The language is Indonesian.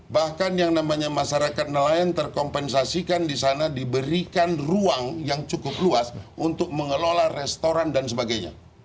bahkan yang namanya masyarakat nelayan terkompensasikan di sana diberikan ruang yang cukup luas untuk mengelola restoran dan sebagainya